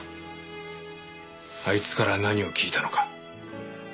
あいつから何を聞いたのか。